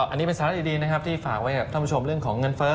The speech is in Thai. อันนี้เป็นสาระดีนะครับที่ฝากไว้กับท่านผู้ชมเรื่องของเงินเฟ้อ